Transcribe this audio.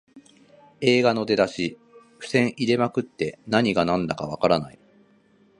映画の出だし、伏線入れまくって何がなんだかわからない